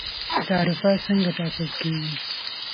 تعرفه څنګه ټاکل کیږي؟